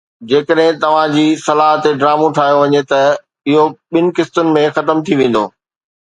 جيڪڏهن توهان جي صلاح تي ڊرامو ٺاهيو وڃي ته اهو ٻن قسطن ۾ ختم ٿي ويندو